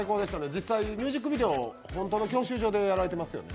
実際ミュージックビデオ、本当の教習所でやられていますよね？